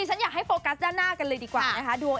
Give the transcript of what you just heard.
ฉันอยากให้โฟกัสด้านหน้ากันเลยดีกว่านะคะ